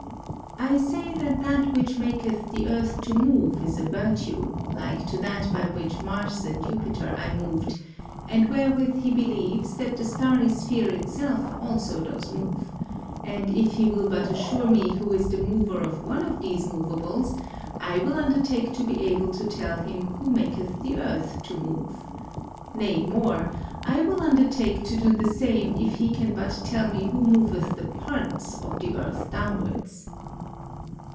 ... I say that that which maketh the Earth to move, is a vertue, like to that by which Mars and Jupiter are moved, and wherewith [he] believes that the starry sphere it self also doth move ; and if he will but assure me who is the mover of one of these moveables, I will undertake to be able to tell him, who maketh the Earth to move. Nay more ; I will undertake to do the same, if he can but tell me who moveth the parts of the Earth downwards.